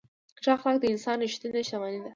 ښه اخلاق د انسان ریښتینې شتمني ده.